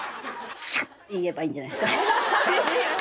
「シャ！」って言えばいいんじゃないですかね